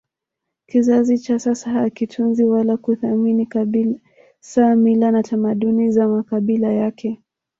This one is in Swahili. Kizazi cha sasa hakitunzi wala kuthamini kabisa mila na tamaduni za makabila yake